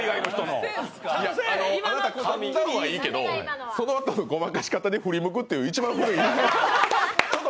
あなたかんだんはいいけどそのあとのごまかし方に振り向くっていう一番古い。